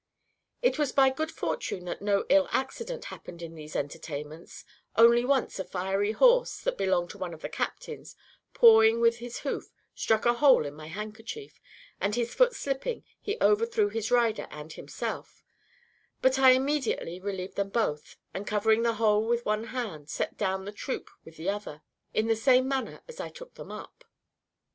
It was by good fortune that no ill accident happened in these entertainments, only once a fiery horse, that belonged to one of the captains, pawing with his hoof, struck a hole in my handkerchief, and his foot slipping, he overthrew his rider and himself; but I immediately relieved them both, and covering the hole with one hand, I set down the troop with the other, in the same manner as I took them up.